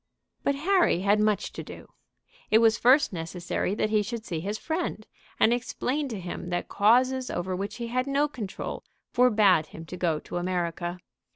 But Harry had much to do. It was first necessary that he should see his friend, and explain to him that causes over which he had no control forbade him to go to America.